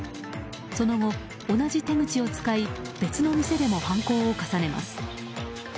その後、同じ手口を使い別の店でも犯行を重ねます。